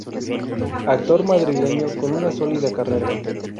Actor madrileño con una sólida carrera.